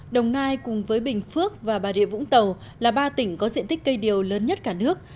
đồng nai cùng với bình phước và bà rịa vũng tàu là ba tỉnh có diện tích cây điều lớn nhất cả nước